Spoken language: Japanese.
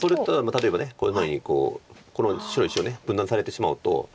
例えばこんなふうにこうこの白石を分断されてしまうと。